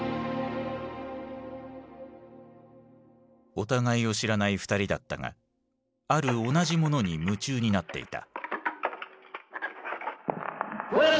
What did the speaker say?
お互いを知らない２人だったがある同じものに夢中になっていた。